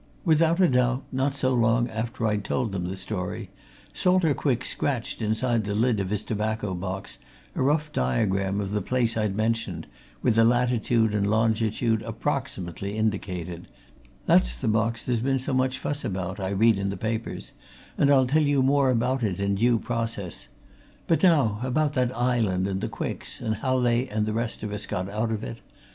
Without a doubt, not so long after I'd told them the story, Salter Quick scratched inside the lid of his tobacco box a rough diagram of the place I'd mentioned, with the latitude and longitude approximately indicated that's the box there's been so much fuss about, I read in the papers, and I'll tell you more about it in due process. But now about that island and the Quicks, and how they and the rest of us got out of it.